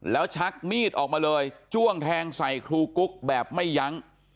แล้วชักมีดออกมาเลยจ้วงแทงใส่ครูกุ๊กแบบไม่ยั้ง